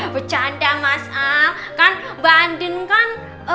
bercanda mas al kan mbak andin kan